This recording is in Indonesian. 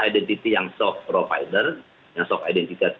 identity yang soft provider yang soft identitas